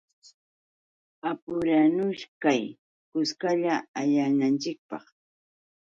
Apuranuchkay kuskalla allaykunanchikpaq.